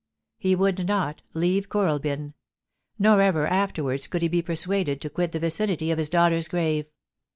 He would not .leave Kooralbyn ; nor ever afterwards could he be persuaded to quit the vicinity of his daughter's grave.